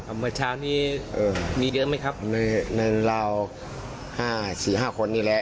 เมื่อเช้านี้มีเยอะไหมครับในราวห้าสี่ห้าคนนี้แหละ